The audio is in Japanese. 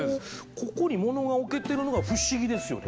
ここに物が置けてるのが不思議ですよね